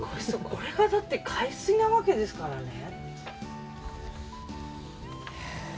これが海水なわけですからね。